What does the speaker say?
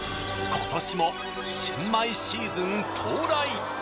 今年も新米シーズン到来！